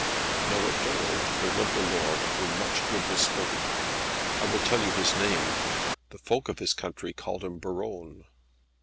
Now at Dol there lived a lord of whom much good was spoken. I will tell you his name. The folk of his country called him Buron.